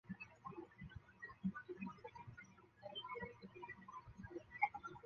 随之而来的脱水及胰岛素抵抗会进一步使恶性循环恶化。